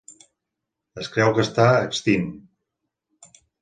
Es creu que està extint.